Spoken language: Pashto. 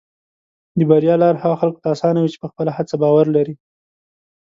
د بریا لار هغه خلکو ته اسانه وي چې په خپله هڅه باور لري.